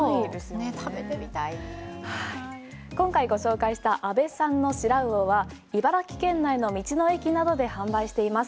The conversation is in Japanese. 今回ご紹介した安部さんのシラウオは茨城県内の道の駅などで販売しています。